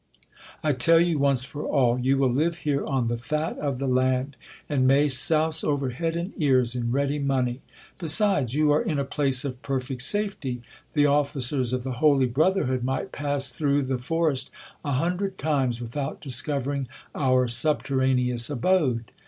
I tell you once for all, you will live here on the fat of the land, and may souse over head and ears in ready money. Besides, you are in a place of perfect safety. The officers of the holy brotherhood might pass through the forest a hundred times without discovering our subterraneous abode.